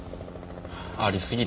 ありすぎて。